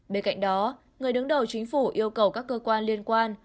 bên cạnh đó người đứng đầu chính phủ yêu cầu các cơ quan liên quan